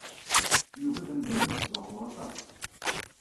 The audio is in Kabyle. Yuba d amdan anesbaɣur aṭas.